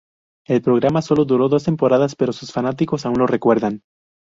El programa sólo duró dos temporadas, pero sus fanáticos aún lo recuerdan.